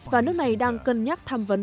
và nước này đang cân nhắc tham vấn